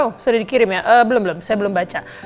oh sudah dikirim ya belum belum saya belum baca